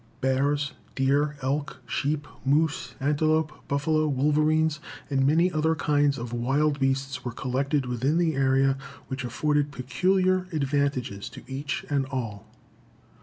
Bears, deer, elk, sheep, moose, antelope, buffalo, wolverines and many other kinds of wild beasts were collected within an area which afforded peculiar advantages to each and all.